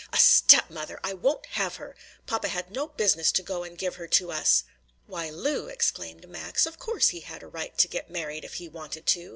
"A step mother! I won't have her! Papa had no business to go and give her to us!" "Why, Lu!" exclaimed Max, "of course he had a right to get married if he wanted to!